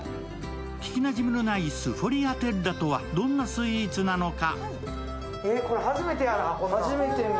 聞きなじみのないスフォリアテッラとはどんなスイーツなのか。